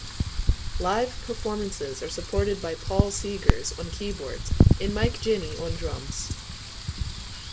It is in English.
Live performances are supported by Paul Seegers on keyboards and Mike Jenney on drums.